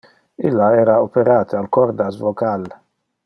Illa era operate al cordas vocal.